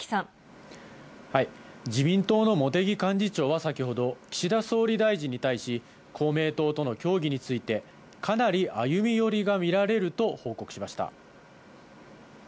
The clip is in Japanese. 自民党の茂木幹事長は先ほど、岸田総理大臣に対し、公明党との協議について、かなり歩み寄りが見られると報告しました。